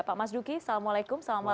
pak mas duki assalamualaikum salam malam